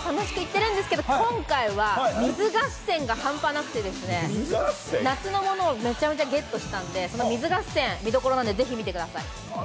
楽しくいってるんですけれども、今回は水合戦がはんぱなくて、夏のものをめちゃめちゃゲットしたんで、水合戦が見どころなんでぜひ見てください。